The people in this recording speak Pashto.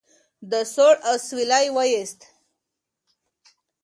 ده سوړ اسویلی وایست.